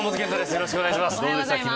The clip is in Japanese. よろしくお願いします。